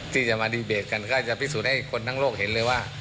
ที่จะมาดีเบตกันก็จะพิสูจน์ให้คนทั้งโลกเห็นเลยว่า